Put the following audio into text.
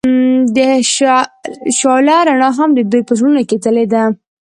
د شعله رڼا هم د دوی په زړونو کې ځلېده.